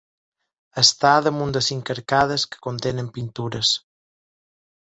Està damunt de cinc arcades que contenen pintures.